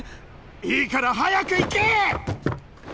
いいから早く行け！